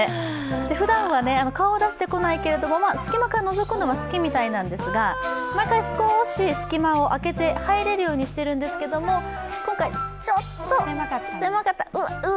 ふだんは顔を出してこないけれども隙間からのぞくのは好きみたいなんですが、少し隙間を開けて入れるようにしているんですけど、今回、ちょっと狭かった。